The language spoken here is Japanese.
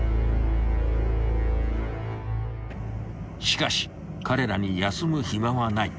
［しかし彼らに休む暇はない］